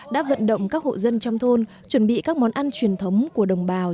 đã vận động các hộ dân trong thôn chuẩn bị các món ăn truyền thống của đồng bào